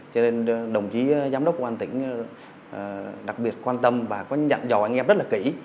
cho nên đồng chí giám đốc quán tỉnh đặc biệt quan tâm và nhận dò anh em rất là kỹ